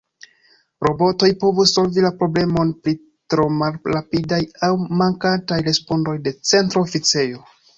Robotoj povus solvi la problemon pri tro malrapidaj aŭ mankantaj respondoj de Centra Oficejo.